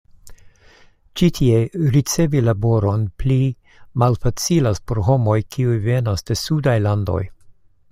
Ĉi tie, ricevi laboron pli malfacilas por homoj, kiuj venas de sudaj landoj.